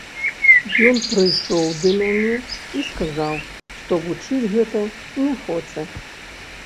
Ён прыйшоў ды мяне і сказаў, што вучыць гэта не хоча.